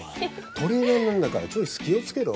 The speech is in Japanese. トレーナーなんだからチョイス気をつけろ。